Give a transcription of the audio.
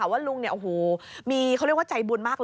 ว่าลุงมีใจบุญมากเลย